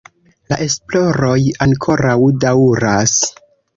La esploroj ankoraŭ daŭras.